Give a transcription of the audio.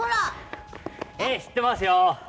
ええしってますよ。